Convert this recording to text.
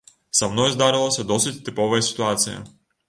Са мной здарылася досыць тыповая сітуацыя.